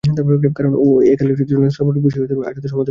কারণ এ-কালেই জনসাধারণ সর্ববিষয়ে আর্যদের সম-অধিকার দাবী করছিল।